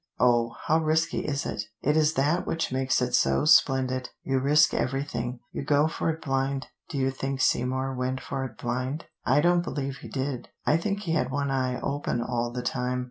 "Oh, how risky it is. It is that which makes it so splendid! You risk everything: you go for it blind. Do you think Seymour went for it blind? I don't believe he did. I think he had one eye open all the time.